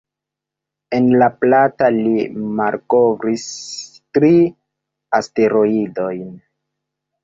En La Plata li malkovris tri asteroidojn.